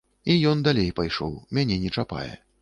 І ён далей пайшоў, мяне не чапае.